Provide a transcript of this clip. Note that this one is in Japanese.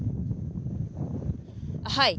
はい。